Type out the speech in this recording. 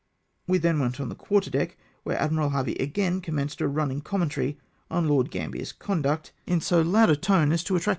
We then went on the quarter deck, where Admiral Harvey again commenced a running commentary on Lord Gambler's conduct, in so loud a tone as to attract COMrLAINS OF LORD GAMBIER.